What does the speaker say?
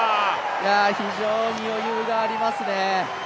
非常に余裕がありますね。